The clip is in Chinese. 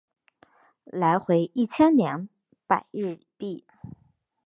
来回一千两百日币